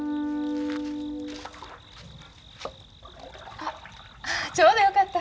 あちょうどよかった。